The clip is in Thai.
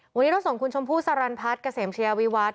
วันนี้รับส่งคุณชมพู่สารรพัฒกเศษเชียวิวัฒจ์